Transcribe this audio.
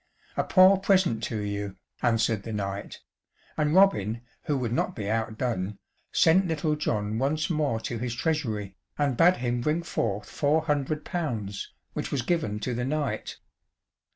"A poor present to you," answered the knight, and Robin, who would not be outdone, sent Little John once more to his treasury, and bade him bring forth four hundred pounds, which was given to the knight.